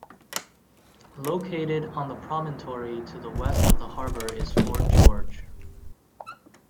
Located on the promontory to the west of the harbor is Fort George.